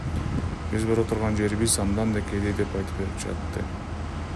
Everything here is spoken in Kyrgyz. Биз бара турган жерибиз андан да кедей деп айтып берип жатты.